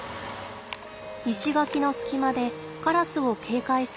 石垣の隙間でカラスを警戒する親子。